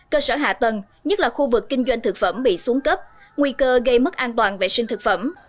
cơ sở hạ tầng nhất là khu vực kinh doanh thực phẩm bị xuống cấp nguy cơ gây mất an toàn vệ sinh thực phẩm